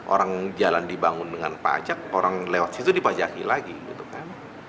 orang jalan dibangun dengan pajak orang lewat situ dipajaki lagi gitu kan